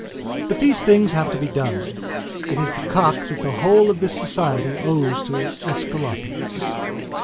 But these things have to be done; it is the cock that the whole of this society owes to Æsculapius.